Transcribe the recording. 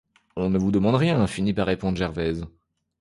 On ne vous demande rien, finit par répondre Gervaise.